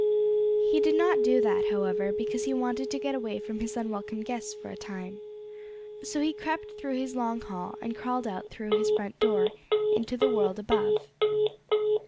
He did not do that, however, because he wanted to get away from his unwelcome guests for a time. So he crept through his long hall and crawled out through his front door, into the world above.